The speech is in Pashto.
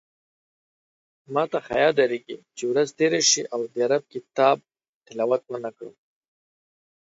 ماته حیاء درېږې چې ورځ تېره شي او د رب د کتاب تلاوت ونکړم